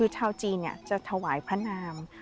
ชาวจีนจะถวายพระนาม